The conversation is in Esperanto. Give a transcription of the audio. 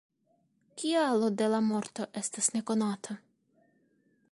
Kialo de la morto estas nekonata.